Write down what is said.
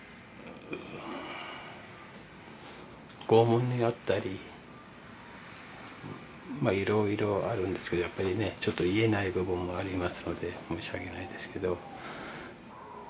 拷問に遭ったりまあいろいろあるんですけどやっぱりねちょっと言えない部分もありますので申し訳ないですけど。